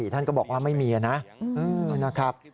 ท่านก็บอกว่าไม่มีนะครับ